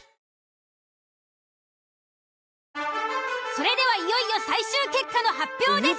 それではいよいよ最終結果の発表です。